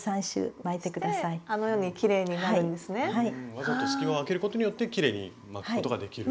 わざと隙間を空けることによってきれいに巻くことができると。